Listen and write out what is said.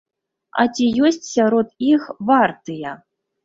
А ці ёсць сярод іх вартыя?